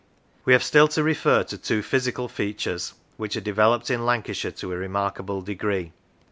We have still to refer to two physical features, which are developed in Lancashire to a remarkable degree.